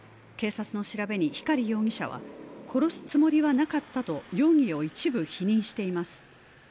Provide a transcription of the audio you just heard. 警察の調べに光容疑者は殺すつもりはなかったと容疑を一部否認しています